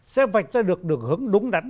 sẽ vạch ra được đường hướng đúng đắn